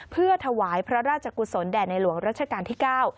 เพื่อถวายพระราชกุศลแด่ในหลวงรัชกาลที่เก้า